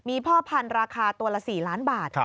มีพ่อพันธุ์ราคาตัวละ๔ล้านบาท